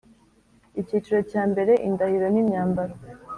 Icyiciro cya mbere Indahiro n imyambaro